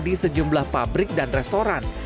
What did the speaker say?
di sejumlah pabrik dan restoran